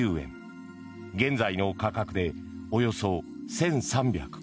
現在の価格でおよそ１３５０円。